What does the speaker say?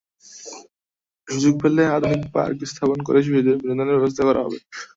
সুযোগ পেলে আধুনিক পার্ক স্থাপন করে শিশুদের বিনোদনের ব্যবস্থা করা হবে।